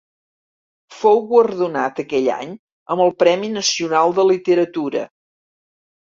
Fou guardonat aquell any amb el Premi Nacional de Literatura.